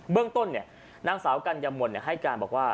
เรื่องต้นนางสาวกัญมนต์ให้การบอกว่า